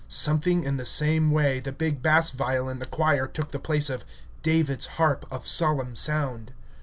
Something in the same way the big bass viol in the choir took the place of "David's harp of solemn sound."